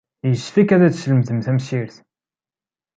Yessefk ad as-teslemdem tamsirt.